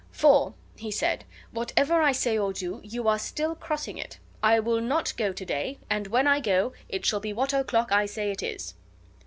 "For," he said, "whatever I say or do, you still are crossing it. I will not go to day, and when I go, it shall be what o'clock I say it is."